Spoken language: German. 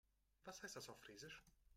Was heißt das auf Friesisch?